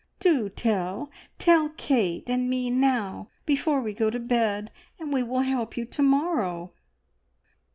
Do tell! Tell Kate and me now before we go to bed, and we will help you to morrow."